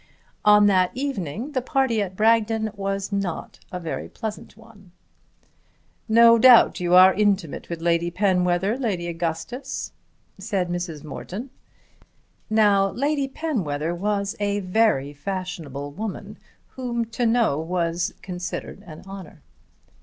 On that evening the party at Bragton was not a very pleasant one. "No doubt you are intimate with Lady Penwether, Lady Augustus," said Mrs. Morton. Now Lady Penwether was a very fashionable woman whom to know was considered an honour.